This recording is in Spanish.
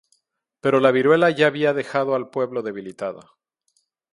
Pero la viruela ya había dejado al pueblo debilitado.